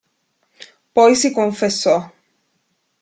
Poi si confessò.